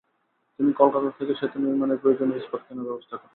তিনি কলকাতা থেকে সেতু নির্মাণের প্রয়োজনীয় ইস্পাত কেনার ব্যবস্থা করেন।